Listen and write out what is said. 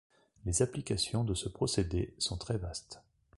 Les applications de ce procédé sont très vastes.